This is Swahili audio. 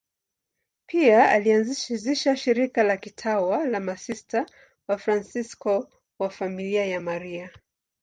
Pia alianzisha shirika la kitawa la Masista Wafransisko wa Familia ya Maria.